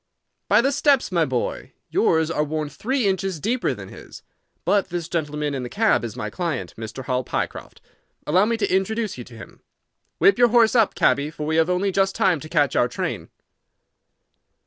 "By the steps, my boy. Yours are worn three inches deeper than his. But this gentleman in the cab is my client, Mr. Hall Pycroft. Allow me to introduce you to him. Whip your horse up, cabby, for we have only just time to catch our train."